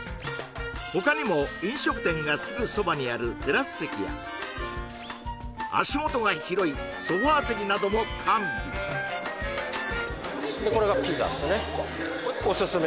他にも飲食店がすぐそばにあるテラス席や足元が広いソファー席なども完備でこれがピザっすね